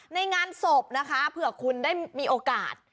ในงานศพนะคะเผื่อคุณได้มีโอกาส